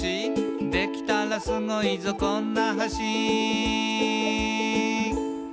「できたらスゴいぞこんな橋」